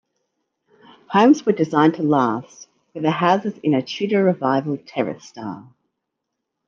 Homes were designed to last, with the houses in a Tudor Revival terrace style.